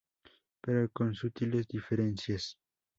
Pero con sutiles diferencias.